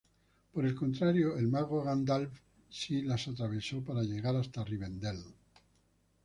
Por el contrario, el mago Gandalf sí las atravesó para llegar hasta Rivendel.